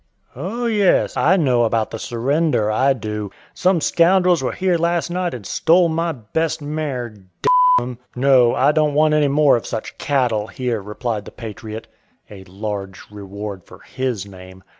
"Oh, yes! I know about the surrender, I do. Some scoundrels were here last night and stole my best mare, d 'em! No, I don't want any more of such cattle here," replied the patriot. (A large reward for his name.)